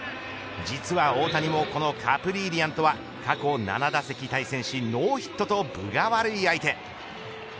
実は大谷もこのカプリーリアンとは過去７打席対戦しノーヒットと分が悪い相手。